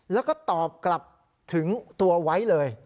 แล้วก็ตอบกลับถึงตัวไว้เลย